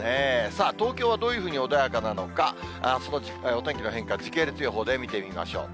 さあ、東京はどういうふうに穏やかなのか、そのお天気の変化、時系列予報で見てみましょう。